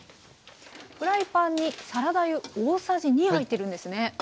フライパンにサラダ油大さじ２入ってるんですね？